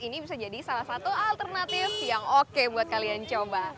ini bisa jadi salah satu alternatif yang oke buat kalian coba